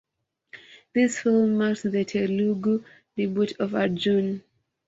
This film marked the Telugu debut of Arjun.